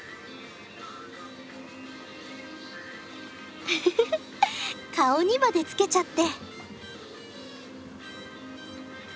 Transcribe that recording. フフフ顔にまでつけちゃって。